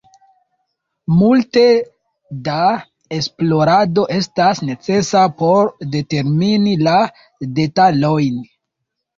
Multe da esplorado estas necesa por determini la detalojn.